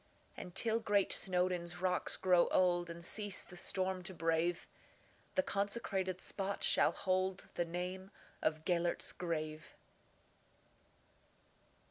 And, till great Snowdon's rocks grow old, And cease the storm to brave, The consecrated spot shall holdThe name of "Gêlert's Grave."